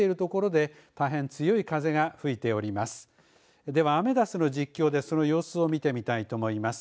ではアメダスの実況でその様子を見てみたいと思います。